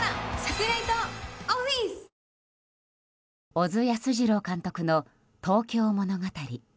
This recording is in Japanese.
小津安二郎監督の「東京物語」。